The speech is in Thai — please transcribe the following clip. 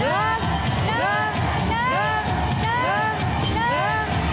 อะไรเอ่ยตำแหน่งที่หนึ่ง